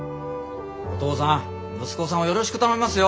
お父さん息子さんをよろしく頼みますよ！